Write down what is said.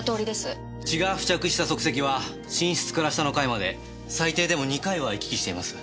血が付着した足跡は寝室から下の階まで最低でも２回は行き来しています。